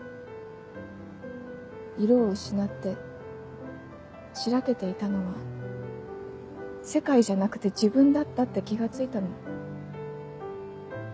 色を失って白けていたのは世界じゃなくて自分だったって気が付いたの。